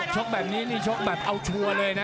ชกแบบนี้นี่ชกแบบเอาชัวร์เลยนะ